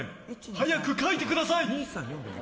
早く書いてください！